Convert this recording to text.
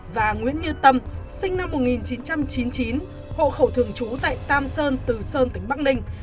và nguyễn như tâm sinh năm một nghìn chín trăm chín mươi chín hộ khẩu thường trú tại tam sơn từ sơn tỉnh bắc ninh